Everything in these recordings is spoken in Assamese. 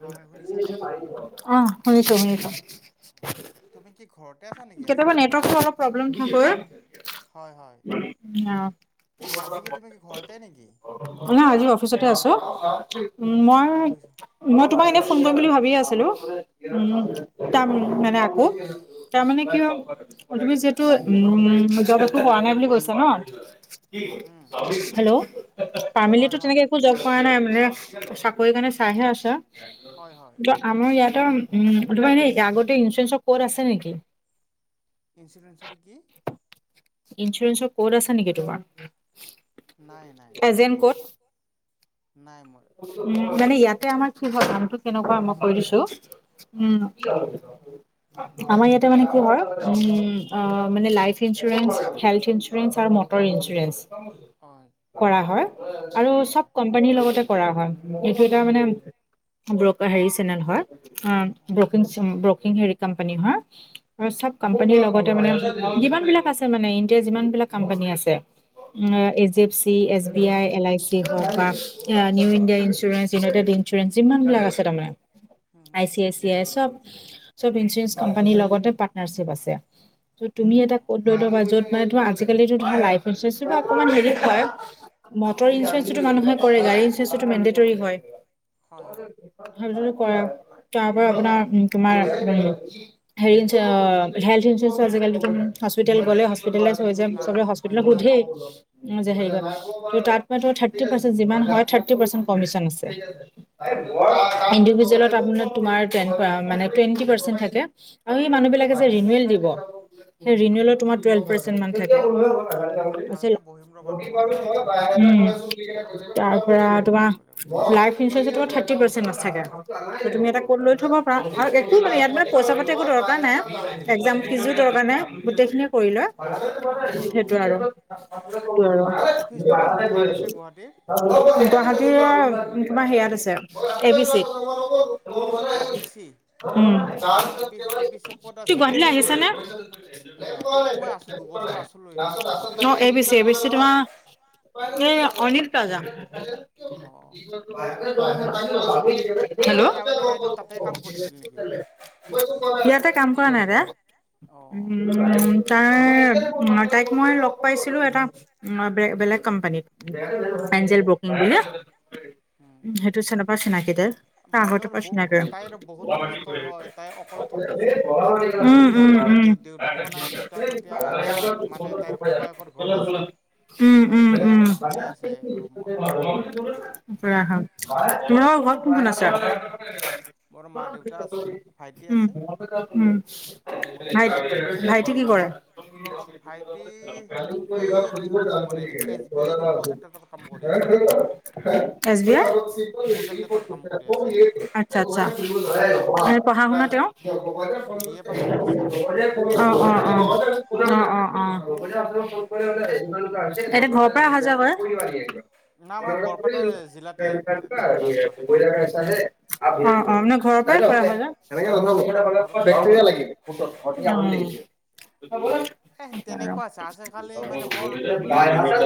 হয় শুনিছানে অ'! শুনিছোঁ, শুনি [unintelligible] তুমি কি ঘৰত কেতিয়াবা নেটৱৰ্কটো অলপ প্ৰব্লেম হয়। হয় হয় অ'! আজি কি তুমি কি ঘৰতে নেকি নহয়, আজি অফিচতে আছোঁ। [unintelligible] উম, অ মই, অফিচ মই তোমাক এনে ফোন কৰিম বুলি, ভাবিয়ে আছিলোঁ! উম, হয় হয় [unintelligible] মানে আকৌ, তাৰমানে কিয়, তুমি যিহেতু, উম! জব একো কৰা নাই, বুলি কৈছা ন'। উম [unintelligible] হেল্ল'? ফাৰ্মলি হয় হয় তেনেকে একো জব কৰা নাই, আমি। মানে, চাকৰি কাৰণে চাইহে আছে। [unintelligible] হয় হয় ত' আমি ইয়াত ত' উম! তোমাৰ এনে, আগতে ইঞ্চুৰেঞ্চৰ ক'ড আছে নেকি? ইঞ্চুুৰেঞ্চত কি? ইঞ্চুৰেঞ্চৰ ক'ড আছ নেকি তোমাৰ? নাই নাই এজেণ্ট তেনেকে। ক'ড নাই মোৰ ক'ত উম, নাই মানে ইয়াতে আমাক শুভ কামতটো কেনেকুৱা মই কৈ দিছো হয় উম আমাৰ ইয়াতে মানে কি হয় উ মানে লাইফ ইঞ্চুৰেঞ্চ হেল্থ ইঞ্চুৰেঞ্চ আৰু মটৰ ইঞ্চুৰেঞ্চ হয় কৰা হয় আৰু হয় চব হয় কোম্পানীৰ লগতে কৰা হয় এইটো এটা অ মানে ব্ৰ হেৰি চেনেল হয় অ ব্ৰকিং হেৰি কোম্পানী হয় আৰু চব কোম্পানীৰ লগতে মানে যিমান বিলাক আছে মানে ইণ্ডিয়াৰ যিমান বিলাক কোম্পানী আছে উম এই G F C S B I L I C হওক বা এ New India insurance United insurance ইমান বিল আছে উম উম অ [unintelligible] [unintelligible] হয় হয় [unintelligible] তাৰ পৰা আপোনাৰ তোমাৰ হ হেল ইঞ্চুৰেঞ্চজ হস্পি গলে [inaudible] হৈ যায় লাগে চবে হয় হস্পিতেল হয় সুধেই যে হৰি ত তাৰ পৰা ঠাৰটি পাৰ্চেন্ত অ', [unintelligible] ইণ্ডুভিজেলত [unintelligible] [unintelligible] উম, ৰিনোৱেল তোমাৰ টেলভ পাৰ্চেন মান থাকে এদিন ভালকে বহিম ৰ'বা তোমাৰ লগত তেনেহ'লে হা [unintelligible] তাৰ পৰা এদিন ভালকে তোমাৰ বহিব লাগিব লাইফ ইুৰেঞ্চমাৰ থাৰ্ নাছাগে তুমি এটা অ', ক'ত লৈ থব পাৰা আৰু একো মানে ইয়াত মানে পইচা পাতি একো দৰকাৰ নাই এক্জাম হ'ব ফিজো বাৰু দৰকাৰ নাই গোটেইখিনিয় কৰি লোৱা হ'ব বাৰু হ'ব সেইটো আৰু বাৰু তোমাৰ অফিচটো কোন ঠাইত আছে গুৱাহাটীৰ [inaudible] গুৱাহাটীৰ তোমাৰ হেৰিয়াত আছে এ বি চি ত [inaudible] উ A B C A B C, A B C ক'ত তু আছিল গুৱাহাটীলৈ দিছপুৰ আহিছানে এই গুৱাহাটীতো মই আছোঁ দুবছৰ আছিলোঁৱেই আগতে অ এবিচি এবি তোমাৰ [inaudible] অসনিত ক যা [inaudible] [unintelligible] [unintelligible] অ', আমাৰ হেল্লো' শেৱালি বাইদেউ তাতে কাম কৰিছিল নেকি ইয়াতে কাম কৰা নাই অ', উম উম তাই তাইক মই লগ পাইছিলোঁ এটা বেলেগ কোম্পানীত পেজেল অ', ব্ৰকিং দি না উম, সেইটো চেনেপা চিনাকিটাৰ বাইদেউৰ ব মোয় তাইৰ বহুত আগৰে কষ্ট হয় তাই অকলে পৰা থাকে যে চিনাকি এতিয়া লগত দেউ উম দেউতাকো নাই দেউতাক উম এতিয়া মানে উম তাইৰ ককায়েকৰ ঘৰত উম আছে। তাই উম এতিয়া অকলে আছে উম [inaudible] ৰুমত। তোমালোকৰ ঘৰত কোন কোন আছে? মোৰ মা দেউতা আছে ভাইটি আছে আৰু মই। [inaudible] ভাইটি কি কৰে? ভাইটি এই শেষত কাম কৰে S B I [unintelligible] S B I, project এটাত কাম কৰি আছে আটচ্ছা আটচ্ছা। পঢ়া শুনা তেওঁ? বি এ পাছ কৰিছে গ্ৰেজুৱেট। অ' অ' অ', অ' অ'। অ' এতিয়া ঘৰৰ পৰাই অহা যোৱা কৰে? না আমাৰ বৰপেটা জিলাতে তাৰ কাম গোটেইখিনি। অ ঘৰৰ পৰা কৰে ঘৰৰ পৰা কৰে। [inaudible] এ ন? তেনেকুৱা আছে, আজিকালি উম, মানে বৰ প্ৰব্লেম হৈছে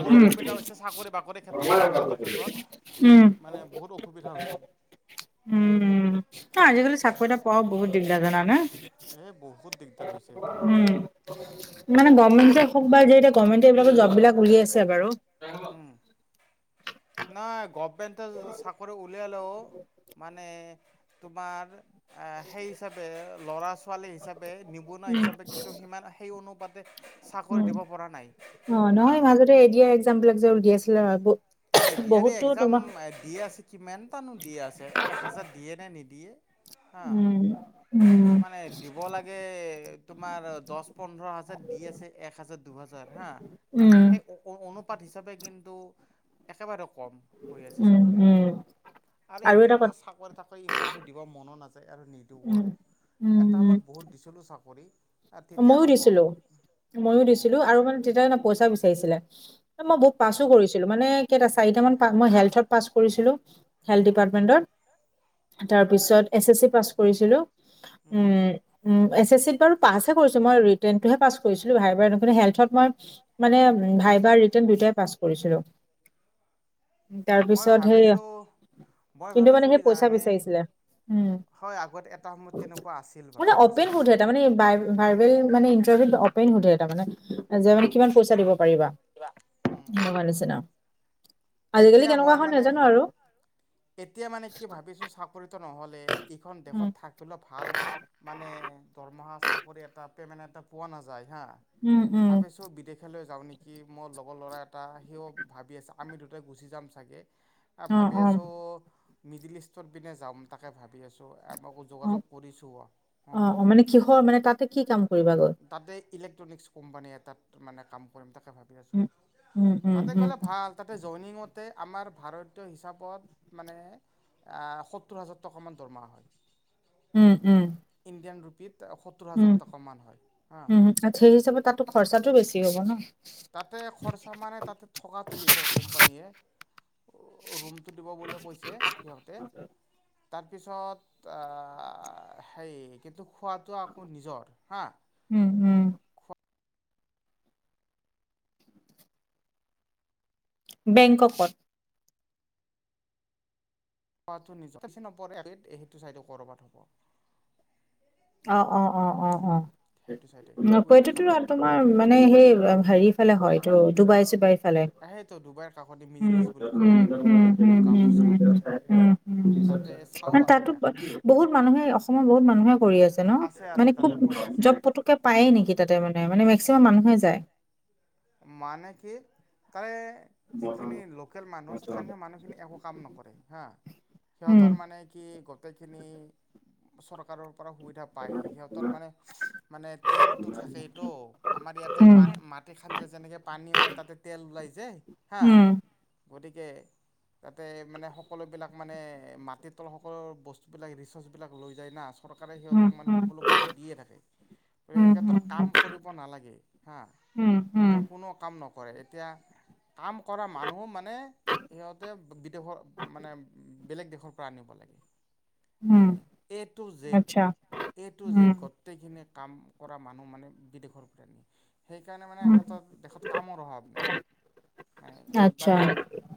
বহুত অসুবিধা হৈছে। চাক চাকৰি বাকৰি ক্ষেত্ৰত কাম কাজৰ ক্ষেত্ৰত, মানে বহুত অসুবিধা হৈছে। কৰি এটা পোৱাও বহুত দিকদাৰ জানানে এ বহুত দিগদাৰ হৈছে এতিয়া। [unintelligible] গভমেণ্টে এইবিলাক জব বিলাক উলিয়াইছে বাৰু। উম, নাই গভ মেন্টে চাকৰি উল উলিয়ালেও মানে তোমাৰ এ সেই হিচাবে ল'ৰাছ ছোৱালী হিচাপে নিবনুৱা উম, হিচাপে কিন্তু সিমান সেই অনু পাতে উম, অ' হা নহয় মাজতে এডিআৰ এক্সামবিলাক যে দি আছিলে আগ এ ডি আৰি ‌এক্সাম আ, দিয়ে আছে কিমান টানো দিয়ে আছে, এক হাজাৰ দিয়েনে নিদিয়ে? হা, উম, উম, মানে দিব লাগে তোমাৰ দচ পোন্ধৰ হাজাৰ দি আছে একহাজাৰ, দুহাজাৰ হা, উম, সেই ও-ওন পাত হিচাপে কিন্তু একেবাৰে কম হৈ আছে উম, চাকৰি। উম, আৰে আৰু এতিয়া এটা কথা মই চাকৰি, তাকৰি, ইন্টাৰভিউ দিব মনো নাযা আৰু নিদিবও উম, আৰু এটা সময়ত মত বহুত দিছিলোঁ চাকৰি। আৰু তেতিয়া মইয়ো নহ'ল দিছিলো, ময়ো দিছিলো অঁ আৰু মানে তেতিয়াে পইচা বিচাৰিছিলে। মই বহুত পাছো অঁ কৰিছিলো মানে কেইটা চাৰিটা মান পা মই হেল্থত পাছ কৰিছিলো হেল্থ উম, ডিপাৰ্টমেণ্টত। তাৰ পিছত এছ এ চি পাছ কৰিছিলো। উম উম [inaudible] এছ এছ চিত বাৰু পাছ মই ৰিটেনটোহে পাছ কৰিছিলো ভাইবাৰে হেল্থত মই মানে ভাইবাৰ ৰিটাৰ্ণ দুয়টাই পাছ কৰিছিলো [inaudible] মই তাৰপিছত সেই ভাবিছো মই কিন্তু মানে ভাবিছো সেই কি পইচা জানে বিচাৰিছিলে উম হয় আগত এটা সময়ত তেনেকুৱা আছিল বাৰু মানে পইচা অপেন সোধে পইচাটো তাৰমানে ভাই- ভাইবেল মানে ইটাৰভিউট অপেন সোধে যে মানে অঁ কিমান পইচা দিব পাৰিবা উম। সেনেকুৱা নিচিনা আজিকালি এতিয়া কেনেকুৱা মই হ'ল মানে নাজানো আৰু এতিয়া মানে কি ভাবিছো চাকৰিত নহলে ইখন উম, দেশত থাকিবিলে ভাল মানে দৰমহা চাকৰি এটা পেমেণ্ট এটা পোৱা নাযায় হা উম, উম, ভাবে চব বিদেশেলৈ যাওঁ নেকি মোৰ লগৰ ল'ৰা এটা সিও ভাবি আছে আমি দুটাই গুচি যাম চাগে অ ভাবি অ আছোঁ মিডিল ইষ্টত পিনে যাম তাকে ভাবি আছো অ অ মানে কিহৰ মানে তাতে কি কাম কৰিবা গৈ ইলেক্ট্ৰনিক্ছ কোম্পানীয়ে এটাত তাত মানে কাম কৰিম তাক উম, উম, উম, তাতে উম, গলে ভাল তাতে জইনিঙত তে আমাৰ ভাৰতীয় হিচাপত মানে সত্তৰ হাজাৰ টকামান দৰমহা হয় উম উম ইণ্ডিয়ান ৰুপিত সত্তৰ হাজাৰ উম টকামান হয় হা উম সেই হিচাপে তাতো খৰচাটো বেছি হ'ব ন তাতে খৰচা মানে তাতে থকাটো দিব কোম্পানীয়ে ৰুমটো দিব বুলি কৈছে সিহঁতে তাৰপিছত আ হে কিন্তু খোৱাতটো আকৌ নিজৰ হা উম, উম, বেংককত। [unintelligible] নপৰে [unintelligible] সেইটো চাইডে কৰবাত হ'ব। অ', অ', অ', অ', অ'। সেইটো চাইডে কুৱেইট কাটাৰ [unintelligible] তোমাৰ মানে সেই হেৰি ফালে হয়। অ', দুবাই চুবাই [unintelligible] উম, সেইটো ডুবাইৰ কাষতে মিডিল ইষ্ট বুলি কয় উম, সেইখিনি উম, উম, গাফ উম, কাণ্ট্ৰি তাতে চাওঁ উম, বাৰু তাতো দেখা যাওঁ বহুত মানুহে, অসমৰ বহুত মানুহে কৰি আছে। [unintelligible] ন', আছে মানে খুব, তাতে কৰি আছে জব পতুকে পায়ে নেকি তাতে মানে মানে মেক্সিমাম মানুহে যায়। মানে কি, তাৰে যিখিনি লোকেল মানুহ, স্থানীয় মানুহ খিনি একো কাম নকৰে হা, উম, সিহঁতৰ মানে কি গোটেইখিনি চৰকাৰৰ সুবিধা পায়। সিহঁতৰ মানে, মানে তেলটো থাকেটো, আমাৰ ইয়াতে উম, মাটি এনেকে পানী ওলাই, তাতে তেল ওলাই যে হা উম। গতিকে, তাতে মানে, সকলোবিলাক মানে, মাটিৰ তলত সকলো বস্তুবিলাক, ৰিচ'ৰ্চবিলাক লৈ যায় না চৰকাৰে উম, সিহঁতক মানে উম, সকলো বস্তু দিয়ে থাকে। এই উম, উম, ক্ষেত্ৰত কাম কৰিব নালাগে, হা উম, উম, সিহঁতৰ কোনো কাম নকৰে। এতিয়া কাম কৰা মানুহো মানে, সিহঁতে, বিদেশৰ মানে বেলেগ দেশৰ পৰা আনিব লাগে। উম, মানে, এ টু জেড, আচ্ছা, এ টু জেড উম, গোটেইখিনি কাম কৰা মানুহ মানে, বিদেশৰ পৰা নি, সেইকাৰ মানে, মানে উম, সিহঁতৰ দেশত কামৰ অভাৱ নাই। আচ্ছা, তাৰে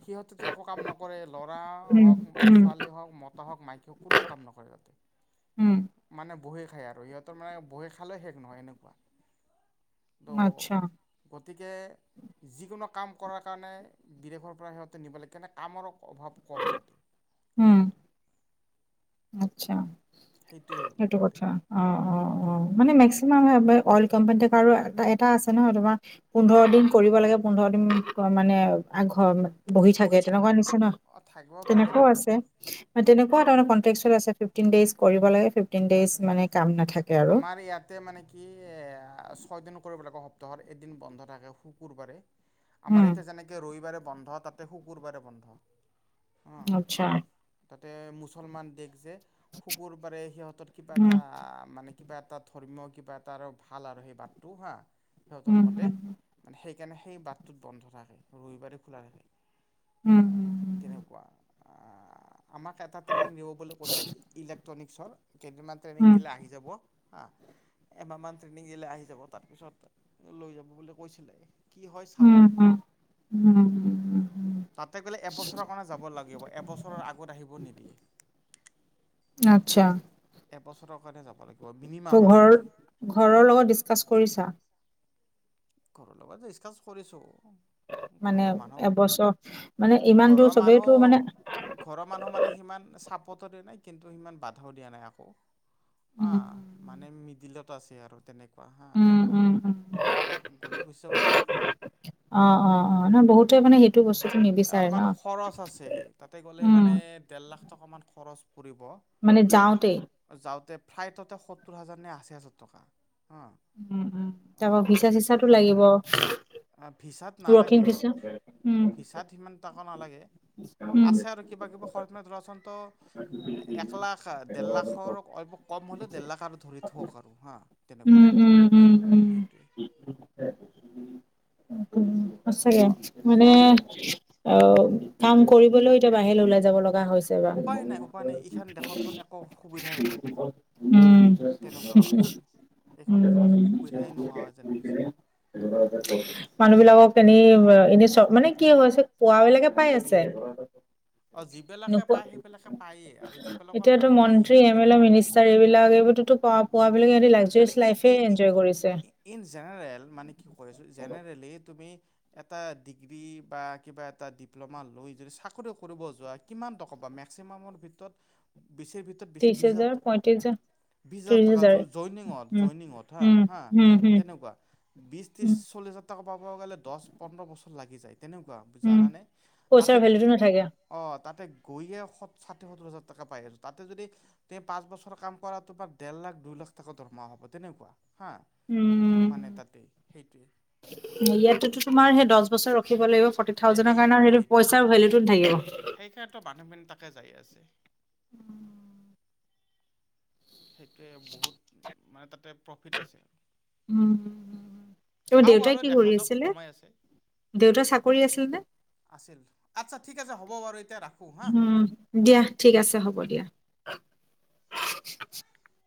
সিহঁতেতো একো কাম নকৰে, ল'ৰা উম, হওক, উম, ছোৱালী হওক, মতা হওক, মাইকী হওক, কোনো কাম নকৰে। উম, মানে বহি খা খাই, আৰু সিহঁতৰ মানে বহি খালেও শেষ নহয়, এনেকুৱা ত' আচ্ছা। গতিকে যিকোনো কাম কৰাৰ কাৰণে বিদেশৰ পৰা সিহঁতে নিব লাগে, কেনে কামৰ অভাৱ কম, তাতে, উম, আচলতে আচ্ছা। সেইটোৱে সেইটো তাতে কথা অ', অ', সেইটোৱে অ', সুবিধা মানে, তাতে মেক্সিমাম [unintelligible] অইল কোম্পানীতে কৰা আৰু এটা আছে নহয় তোমাৰ! পোন্ধৰ দিন কৰিব লাগে, পোন্ধৰ দিন মানে আগ ঘৰ বহি থাকে তেনেকুৱা নিচিনা অঁ থাকিব [unintelligible] পাৰে তেনেকুৱাও তেনেকুৱা আছে তেনেকুৱা [unintelligible] তাৰমানে কনট্ৰেকচুৱেল আছে! ফিফ্টিন ডেইজ কৰিব লাগে। ফিফটিন ডেইজ মানে কাম না আমাৰ ইয়াতে মানে কি এয়া ছয়দিন কৰিব লাগে এসপ্তাহত, এদিন বন্ধ থাকে শুকুৰবাৰে। উম, আমাৰ ইয়াতে যেনেকে ৰবিবাৰে বন্ধ তাতে, শুকুৰবাৰে বন্ধ। অঁ আচ্ছা। তাতে, মুছলমান দেশ যে শুকুৰবাৰে সিহঁতৰ কিবা উম, এটা মানে কিবা এটা ধৰ্মীয় কিবা, এটা আৰু ভাল আৰু সেই বাৰটো হা সিহঁতৰ উম, মতে উম, মানে সেই সেইকাৰণে সেই বাটটোত বন্ধ থাকে ৰবিবাৰেই খোলা থাকে। উম, আ তেনেকুৱা। আমাক এটা ট্ৰেইনিং দিব বুলি কৈছে ইলেক্ট্ৰনিক ছৰ কেইদিনমান ট্ৰেইনিং উম, দিলে আহি যাব। আহ এমাহ মান ট্ৰেইনিং দিলে আহি যাব, তাৰপিছত লৈ যাব বুলি কৈছিলে। কি হয় চাওঁ উম, বাৰু, উম, উম, উম, তাতে গ'লে এবছৰ কাৰণে যাব লাগিব এবছৰৰ আগত আহিব নিদিয়ে। আচ্ছা। এবছৰৰ কাৰণে যাব লাগিব। মিনিমাম তোৰ আৰু কি ঘৰ-ঘৰৰ লগত ডিচকাছ কৰি ছা। ঘৰৰ লগত ডিছকাচ কৰিছোঁ। মানে ঘৰৰ মানুহ এবছৰ মানে ইমানতো ঘৰৰ চবেইতো মানে মানুহ ঘৰৰ মানুহ মানে সিমান চাপ পত [unintelligible] দিয়া নাই কিন্তু সিমান বাধাও দিয়া নাই আকৌ উম, অ', মানে মিদিলত আছে আৰু তেনেকুৱা বহা উম, উম, উম, [inaudible] গলে গুচি যাব পাৰি। অ, অ, অ নহয় বহুতে মানে বস্তুটো অ' নিবিচাৰে ন। মানে খৰচ আছে তাতে গলে উম, মানে দেৰ লাখ টকামান খৰচ। পৰিব মানে যাওঁতেই যাওঁতে ফ্লাইটটে সত্তৰ হাজাৰ নে আশী হাজাৰ টকা। হা উম উম, তাৰপৰা ভিচা - অঁ চিচাটো লাগিব। ভিছাত ৱৰ্কিং নালাগে ভিছা উম ভিছাত সিমান টকা নালাগে, উম আছে আৰু কিবা কিবি কৰি পনে ধৰাচোন তো। এক লাখ আ ডেৰ লাখৰ ঐ কম হলেও ডেৰ লাখ আৰু ধৰি থক আৰু হা, তেনেকুৱা উম উম উম সেইটোৱে। [inaudible] উম। খ সঁচাকে মানে খৰচ হওক অ কাম কৰিবলৈও এতিয়া বাহিৰলে উলাই যাব লগা হৈছ [unintelligible] উপায় নাই উপায় নাই ইখন দেশত টোন একো সুবিধাই নাই, উম তেনেকুৱা হৈছে। এইখন দেশত উম একো সুবিধাই নোহোৱা যেন হৈছে। মানুহ বিলাকক পোৱাবিলাকে পায় আছে। অ যিবিলাকে নোপোৱা পায় সেইবিলাকে পায়েই আৰু যিবিলাকৰ এতিয়াতো নাই নায়েই মন্ত্ৰী আৰু এম এল এ তেনেকুৱা। মিনিষ্টাৰ এইবিলাক এইবোৰতো পোৱা পোৱাবিলাকে সেইটোৱেই, সিহঁতি মানে লাক্সাৰিয়াছ এই লাইফে এই এই এনজয় কৰিছে ইন জেনেৰেল মানে কি কৈ আছোঁ জেনেৰেলি আমি এটা ডিগ্ৰী বা কিবা এটা ডিপ্ল'মা লৈ যদি চাকৰি কৰিব যোৱা কিমান টকা পোৱা মেক্সিমামৰ ভিতৰত। বেছিৰ ভিতৰত বেছি ত্ৰিশ বিশ হাজাৰ পঁয়ত্ৰিশ হাজাৰ বিশ হাজাৰ টকা জইনিঙত উম জইনিঙত হা উম হা হম হম তেনেকুৱা বি ত্ৰিশ উম চল্লিছ হাজাৰ টকা। পাব গ'লে দহ পোন্ধৰ বছৰ লাগি যায়। তেনেকুৱা উম জানানে তাতে পইচাৰ ভেলুটো নাথাকে অ তাতে গৈয়ে ষাঠি সত্তৰ হাজাৰ টকা পাই আছো তাতে যদি তে পাঁচ বছৰ কাম কৰা তোমাৰ ত দেৰ লাখ দুই লাখ টকা দৰমহা হব তেনেকুৱা হা উম মানে তাতে সেইটোৱে ইয়াততো তোমাৰ সেই দহ বছৰ ৰখিব লাগিব। ফৰ্টি এ থাউজেণ্ডৰ কাৰণে সেইটোৱে সেইটো সেইটোৱে পইচাৰ ভেলুটো নাথাকে। তাতে যাই আছে। উম। সেইটোৱে বহুত মানে তাতে প্ৰফিট আছে। উম তোমাৰ চাওঁ বাৰু দেউতাই কি দেখা কৰি যাওক আছিলে সময় আছে দেউতাৰ চাকৰি আছিল নে আছিল আচ্ছা ঠিক আছে হ'ব বাৰু এতিয়া ৰাখোঁ হা উম দিয়া ঠিক আছে হ'ব দিয়া। [inaudible]